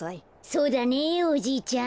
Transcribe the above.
そうだねおじいちゃん。